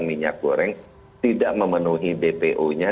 dan minyak goreng tidak memenuhi bpo nya